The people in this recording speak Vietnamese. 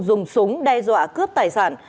dùng súng đe dọa cướp tài sản